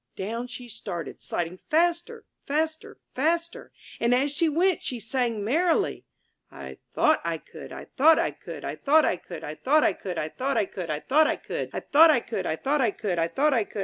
Down she started, sliding faster, faster, faster, and as she went she sang merrily, ''I thought I could ! I thought I could ! I thought I could ! I thought I could! I thought I could! I thought 199 MY BOOK HOUSE I could! I thought I could! I thought I could!